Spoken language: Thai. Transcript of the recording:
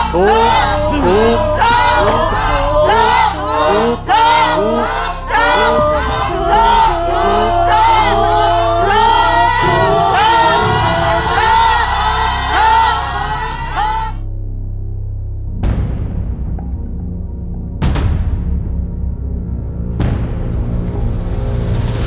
ถูกเฉพาะ